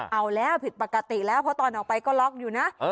เอาแล้วผิดปกติแล้วเพราะตอนออกไปก็ล็อกอยู่นะ